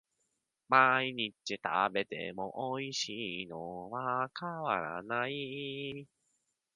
毎日食べてもおいしいのは変わらない